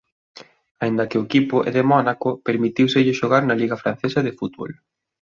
Aínda que o equipo é de Mónaco permitíuselle xogar na liga francesa de fútbol.